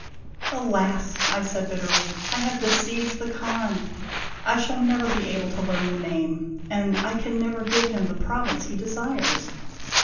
" Alas !" I said bitterly, " I have deceived the Khan ! I shall never be able to learn the name and I can never give him the province he desires.